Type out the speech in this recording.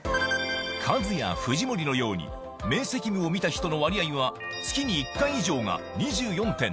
カズや藤森のように明晰夢を見た人の割合は月に１回以上が２４．７％